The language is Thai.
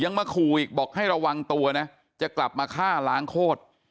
มาขู่อีกบอกให้ระวังตัวนะจะกลับมาฆ่าล้างโคตร